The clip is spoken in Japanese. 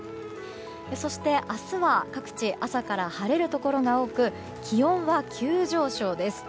そして、明日は各地朝から晴れるところが多く気温は急上昇です。